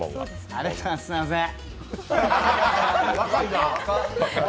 ありがとうございますすいません！